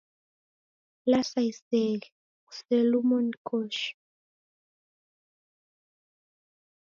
Lasa iseghe, kuselumo ni koshi.